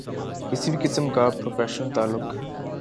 کسی بھی قسم کا پروفیشنل تعلق